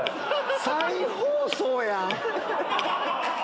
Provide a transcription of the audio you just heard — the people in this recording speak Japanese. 再放送や。